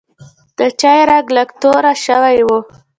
د چای رنګ لږ توره شوی و.